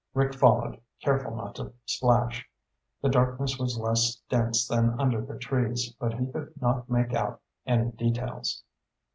Rick followed, careful not to splash. The darkness was less dense than under the trees, but he could not make out any details.